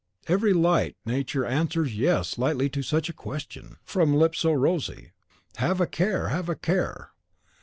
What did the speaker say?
Every light nature answers "yes" lightly to such a question from lips so rosy! Have a care, have a care!